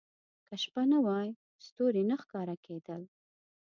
• که شپه نه وای، ستوري نه ښکاره کېدل.